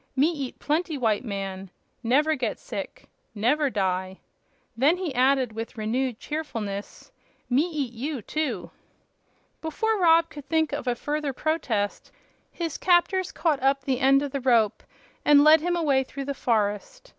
Me eat plenty white man. Never get sick; never die." Then he added, with renewed cheerfulness: "Me eat you, too!" Before Rob could think of a further protest, his captors caught up the end of the rope and led him away through the forest.